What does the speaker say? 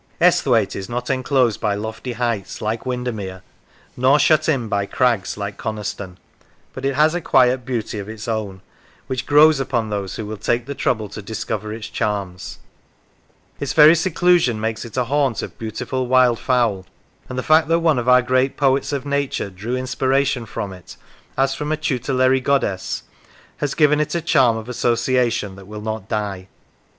Esthwaite is not enclosed by lofty heights, like Win dermere, nor shut in by crags like Coniston, but it has a quiet beauty of its own, which grows upon those who will take the trouble to discover its charms; its very seclusion makes it a haunt of beautiful wild fowl; and the fact that one of our great poets of Nature drew inspiration from it as from a tutelary goddess has given it a charm of association that will not die.